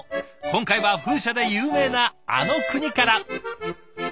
今回は風車で有名なあの国から。